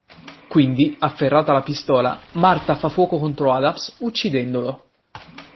Quindi, afferrata la pistola, Martha fa fuoco contro Adams uccidendolo.